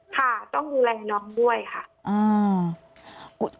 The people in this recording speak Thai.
ค่ะต้องดูแลน้องด้วยค่ะ